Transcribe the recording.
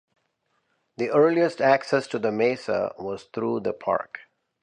The earliest access to the Mesa was through the Park.